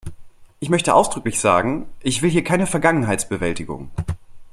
Ich möchte ausdrücklich sagen, ich will hier keine Vergangenheitsbewältigung.